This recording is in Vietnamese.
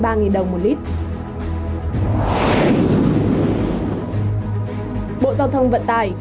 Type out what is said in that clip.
bộ giao thông vận tải